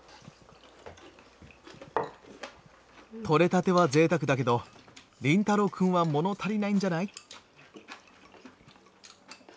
取れたてはぜいたくだけど凛太郎くんはもの足りないんじゃない？